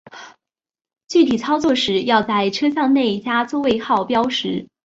具体操作时要在车厢内加座位号标识。